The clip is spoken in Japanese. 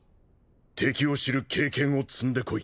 敵を知る経験を積んでこい。